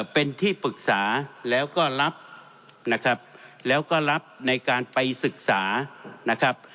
เป็นที่ปรึกษาแล้วก็รับนะครับแล้วก็รับในการไปศึกษานะครับ